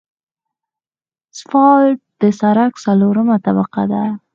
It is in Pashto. اسفالټ د سرک څلورمه طبقه ده